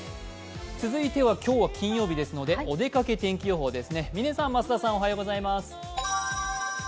今日は金曜日ですのでお出かけ天気予報です。